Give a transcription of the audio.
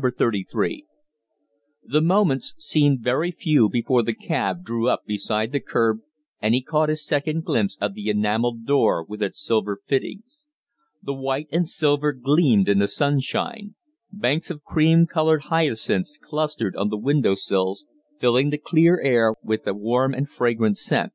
33." The moments seemed very few before the cab drew up beside the curb and he caught his second glimpse of the enamelled door with its silver fittings. The white and silver gleamed in the sunshine; banks of cream colored hyacinths clustered on the window sills, filling the clear air with a warm and fragrant scent.